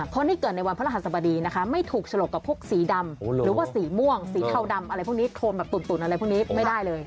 เพราะนี่เกิดในวันพระรหัสบดีนะคะไม่ถูกฉลกกับพวกสีดำหรือว่าสีม่วงสีเทาดำอะไรพวกนี้โครนแบบตุ๋นอะไรพวกนี้ไม่ได้เลย